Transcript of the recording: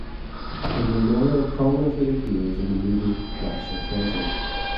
The memorial prominently appears in the movie National Treasure.